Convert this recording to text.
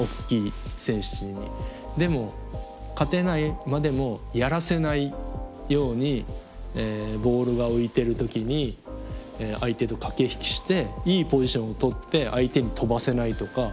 でも勝てないまでもやらせないようにボールが浮いてる時に相手と駆け引きしていいポジションをとって相手に跳ばせないとか。